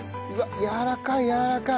やわらかいやわらかい。